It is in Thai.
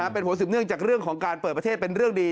เป็นผสมเนื่องจากเรื่องของประเทศเป็นเรื่องดี